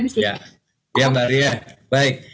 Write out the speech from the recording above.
diskusi ya mbak ria baik